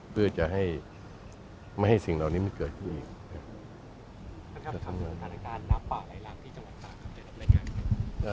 เพื่อจะให้ไม่ให้สิ่งเหล่านี้มันเกิดขึ้นอีก